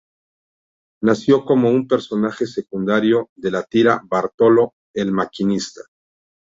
Nació como un personaje secundario de la tira Bartolo el maquinista.